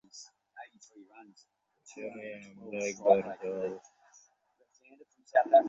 সেখানে আমার একবার যাওয়া অত্যন্ত আবশ্যক।